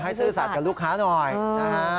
ซื่อสัตว์กับลูกค้าหน่อยนะฮะ